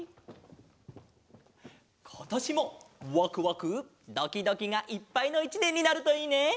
ことしもワクワクドキドキがいっぱいの１ねんになるといいね！